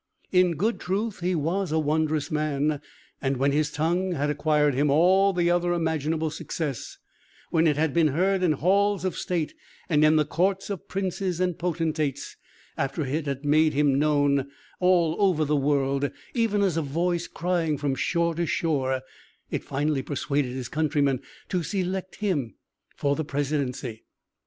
In good truth, he was a wondrous man; and when his tongue had acquired him all other imaginable success when it had been heard in halls of state, and in the courts of princes and potentates after it had made him known all over the world, even as a voice crying from shore to shore it finally persuaded his countrymen to select him for the Presidency.